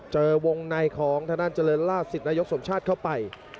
เจอวงในของทางด้านเจริญล่าสิทธินายกสมชาติเข้าไป